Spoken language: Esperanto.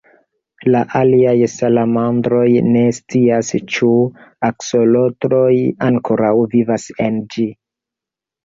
La aliaj salamandroj ne scias ĉu aksolotloj ankoraŭ vivas en ĝi.